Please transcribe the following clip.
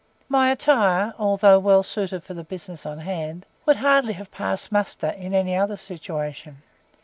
My attire, although well suited for the business on hand, would hardly have passed muster in any other situation.